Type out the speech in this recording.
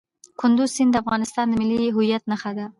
کندز سیند د افغانستان د ملي هویت نښه ده.